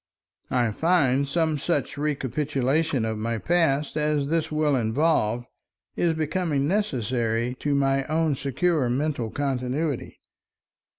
I find some such recapitulation of my past as this will involve, is becoming necessary to my own secure mental continuity.